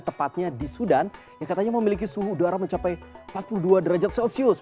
tepatnya di sudan yang katanya memiliki suhu udara mencapai empat puluh dua derajat celcius